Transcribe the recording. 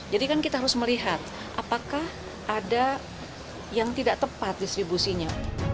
jadi kan kita harus melihat apakah ada yang tidak tepat distribusinya